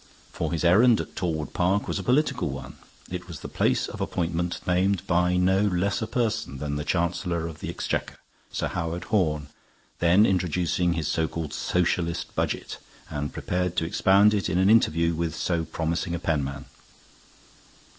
For his errand at Torwood Park was a political one; it was the place of appointment named by no less a person than the Chancellor of the Exchequer, Sir Howard Horne, then introducing his so called Socialist budget, and prepared to expound it in an interview with so promising a penman.